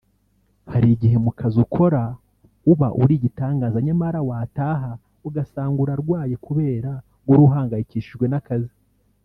“Hari igihe mu kazi ukora uba uri igitangaza nyamara wataha ugasanga urarwaye kubera guhora uhangayikishijwe n’akazi